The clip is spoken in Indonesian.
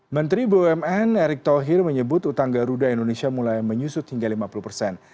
menteri bumn erick thohir menyebut utang garuda indonesia mulai menyusut hingga lima puluh persen